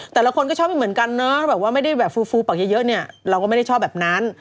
แต่ละคนก็ชอบอย่างเหมือนกันนะนะว่าไม่ใช่แบบฟูปักเยอะเราไม่ได้ชอบแบบนั้น